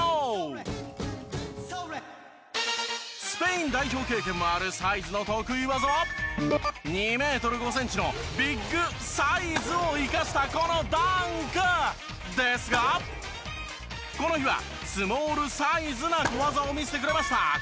スペイン代表経験もあるサイズの得意技は２メートル５センチのビッグ「サイズ」を生かしたこのダンク！ですがこの日はスモール「サイズ」な小技を見せてくれました。